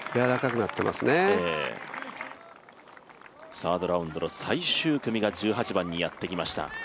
サードラウンドの最終組が１８番にやってきました。